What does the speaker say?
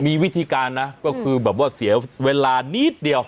มีวิธีการนะก็คือแบบว่าเสียเวลานิดเดียว